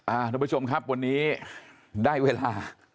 อ่าดูประชมครับวันนี้ได้เวลา